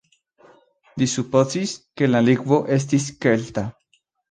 Li supozis, ke la lingvo estis kelta.